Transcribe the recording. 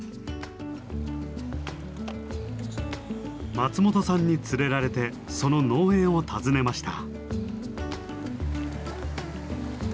松本さんに連れられてその農園を訪ねました。